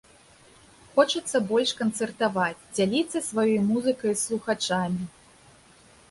Хочацца больш канцэртаваць, дзяліцца сваёй музыкай з слухачамі.